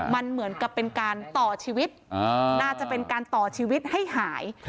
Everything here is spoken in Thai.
มันเหมือนกับเป็นการต่อชีวิตน่าจะเป็นการต่อชีวิตให้หาย